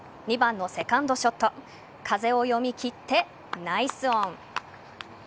２番のセカンドショット風を読み切ってナイスオン。